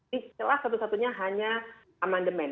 ini celah satu satunya hanya amandemen